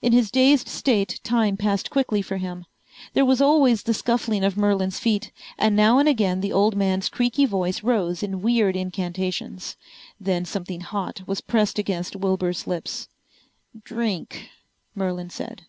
In his dazed state time passed quickly for him. There was always the scuffling of Merlin's feet, and now and again the old man's creaky voice rose in weird incantations. Then something hot was pressed against Wilbur's lips. "Drink," Merlin said.